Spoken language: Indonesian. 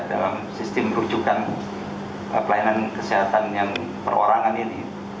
dalam sistem rujukan pelayanan kesehatan yang perorangan ini